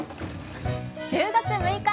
１０月６日